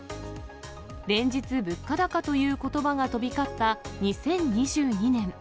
連日、物価高ということばが飛び交った２０２２年。